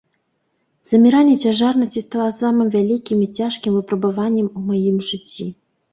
Заміранне цяжарнасці стала самым вялікім і цяжкім выпрабаваннем у маім жыцці.